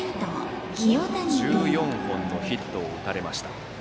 １４本のヒットを打たれました。